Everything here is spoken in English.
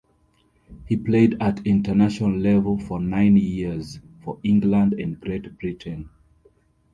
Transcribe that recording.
He played at international level for nine years for England and Great Britain.